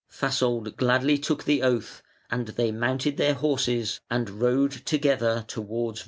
Fasold gladly took the oath, and they mounted their horses and rode together towards Verona.